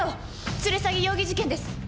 連れ去り容疑事件です。